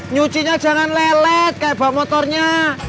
nyucinya jangan lelet kayak bawa motornya